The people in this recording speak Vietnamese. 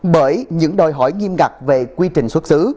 bởi những đòi hỏi nghiêm ngặt về quy trình xuất xứ